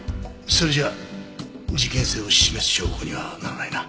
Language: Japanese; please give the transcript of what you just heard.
それじゃ事件性を示す証拠にはならないな。